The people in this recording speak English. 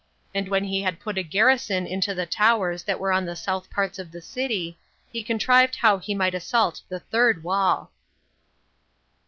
And when he had put a garrison into the towers that were on the south parts of the city, he contrived how he might assault the third wall.